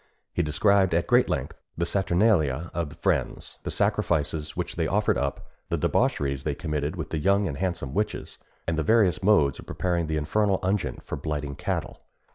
He described at great length the saturnalia of the fiends, the sacrifices which they offered up, the debaucheries they committed with the young and handsome witches, and the various modes of preparing the infernal unguent for blighting cattle.